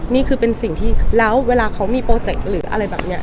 นี่คือเป็นสิ่งที่แล้วเวลาเขามีโปรเจคหรืออะไรแบบนี้